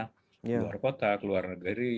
keluar kota keluar negeri